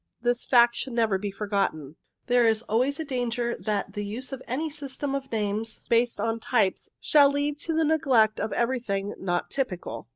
This fact should never be forgotten. There is always a danger that the use of any system of names based on types shall lead to the neglect of everything not typical.